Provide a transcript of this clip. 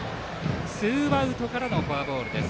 ツーアウトからのフォアボールです。